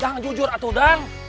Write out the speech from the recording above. dang jujur atuh dang